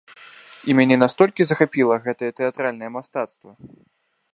І мяне настолькі захапіла гэтае тэатральнае мастацтва!